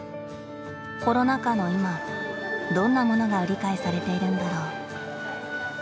コロナ禍の今どんなものが売り買いされているんだろう。